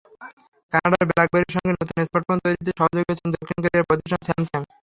কানাডার ব্ল্যাকবেরির সঙ্গে নতুন স্মার্টফোন তৈরিতে সহযোগী হচ্ছে দক্ষিণ কোরিয়ার প্রতিষ্ঠান স্যামসাং।